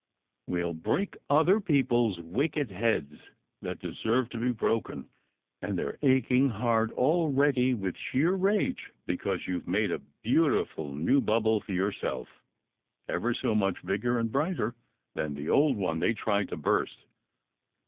"We ll break other people s wicked heads, that deserve to be broken; and they re aching hard already with sheer rage, because you ve made a beautiful new bubble for yourself, ever so much bigger and brighter than the old one they tried to burst.